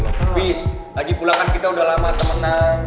peace lagi pulangan kita udah lama temenan